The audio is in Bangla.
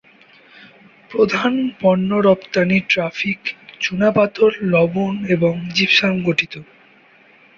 প্রধান পণ্য রপ্তানি ট্রাফিক চুনাপাথর, লবণ এবং জিপসাম গঠিত।